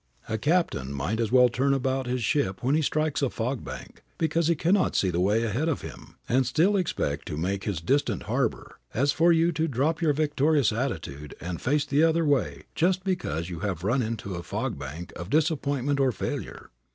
A captain might as well turn about his ship when he strikes a fog bank, because he cannot see the way ahead of him, and still expect to make his distant harbor, as for you to drop your victorious attitude and face the other way just because you have run into a fog bank of disappointment or failure.